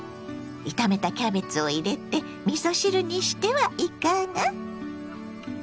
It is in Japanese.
炒めたキャベツを入れてみそ汁にしてはいかが？